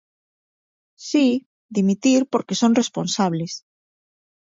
Si, dimitir porque son responsables.